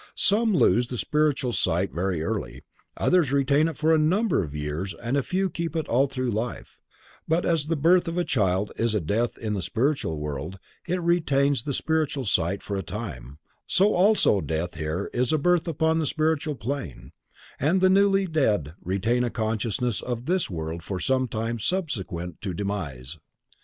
Some lose the spiritual sight very early, others retain it for a number of years and a few keep it all through life, but as the birth of a child is a death in the spiritual world and it retains the spiritual sight for a time, so also death here is a birth upon the spiritual plane, and the newly dead retain a consciousness of this world for some time subsequent to demise.